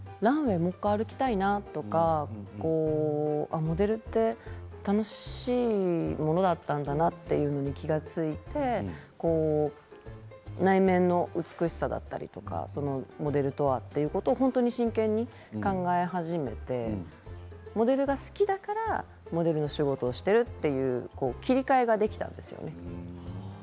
もう１回歩きたいなとかモデルって楽しいものだったんだなっていうことに気が付いて内面の美しさだったりモデルとは、ということを本当に真剣に考え始めてモデルが好きだからモデルの仕事をしているという切り替えができたんですよね。